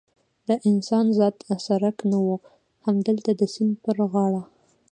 د انسان ذات څرک نه و، همدلته د سیند پر غاړه.